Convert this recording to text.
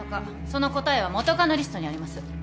その答えは元カノリストにあります。